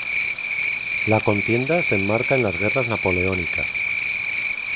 La contienda se enmarca en las Guerras Napoleónicas.